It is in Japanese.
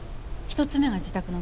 １つ目が自宅の鍵。